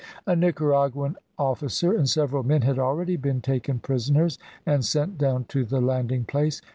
A Nicaraguan officer and several men had already been taken prisoners and sent down to the landing place.